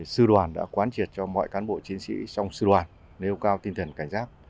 sư đoàn đã quán triệt cho mọi cán bộ chiến sĩ trong sư đoàn nêu cao tinh thần cảnh giác